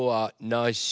なし？